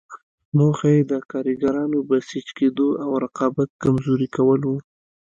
موخه یې د کارګرانو بسیج کېدو او رقابت کمزوري کول وو.